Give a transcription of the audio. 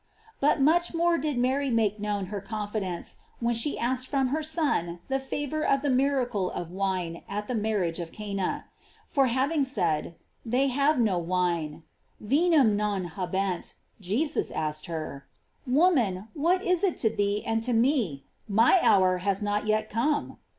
"f But much more did Mary make known her confidencet when she asked from her Son the favor of the miracle of wine at the marriage of Cana; for having said: They have no wine: "Vinum non habent;" Jesus answered her: ''Woman, what is it to thee and to me ? my hour has not yet come."